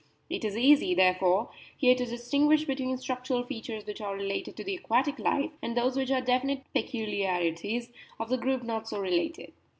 It is easy, therefore, here to distinguish between structural features which are related to the aquatic life and those which are definite peculiarities of the group not so related.